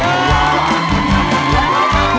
ร้องได้ให้ร้าง